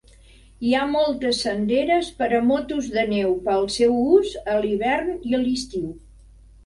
Hi ha moltes senderes per a motos de neu per al seu ús a l'hivern i a l'estiu.